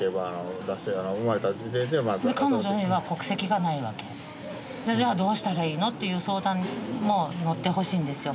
彼女には国籍がないわけじゃあどうしたらいいの？っていう相談も乗ってほしいんですよ